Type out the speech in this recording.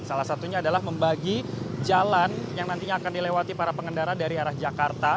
salah satunya adalah membagi jalan yang nantinya akan dilewati para pengendara dari arah jakarta